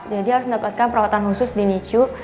jadi harus mendapatkan perawatan khusus di nicu